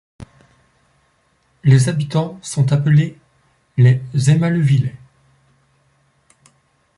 Les habitants sont appelés les Émallevillais.